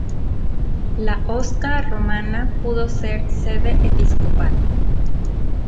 La "Osca" romana pudo ser sede episcopal.